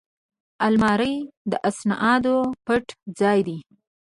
الماري د اسنادو پټ ځای دی